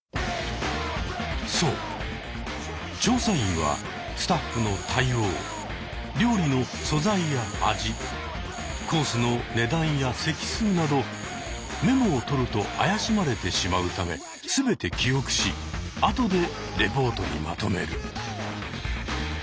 そう調査員はスタッフの対応料理の素材や味コースの値段や席数などメモをとると怪しまれてしまうため全て記憶し後でレポートにまとめる。